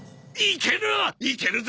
いける！